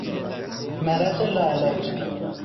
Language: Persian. مرض لاعلاج